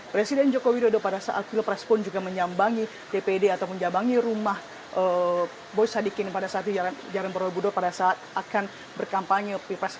presiden joko widodo pada saat pilpres pun juga menyambangi dpd atau menjabangi rumah boy sadikin pada saat di jalan borobudur pada saat akan berkampanye